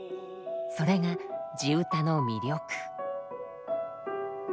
それが地唄の魅力。